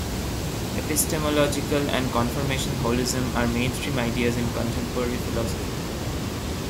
Epistemological and confirmation holism are mainstream ideas in contemporary philosophy.